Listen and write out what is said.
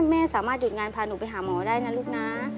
แม่สามารถหยุดงานพาหนูไปหาหมอได้นะลูกนะ